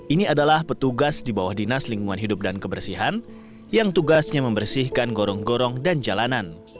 ini adalah petugas di bawah dinas lingkungan hidup dan kebersihan yang tugasnya membersihkan gorong gorong dan jalanan